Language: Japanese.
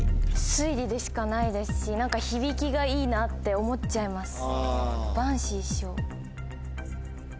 推理でしかないですし何か。って思っちゃいます。